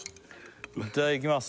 いただきます